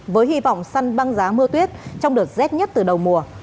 với hy vọng săn băng giá mưa tuyết trong đợt rét nhất từ đầu mùa